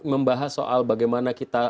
membahas soal bagaimana kita